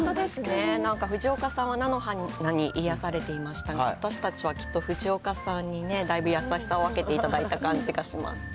なんか藤岡さんは菜の花に癒やされてましたが、私たちはきっと藤岡さんにだいぶ優しさを分けていただいた感じがします。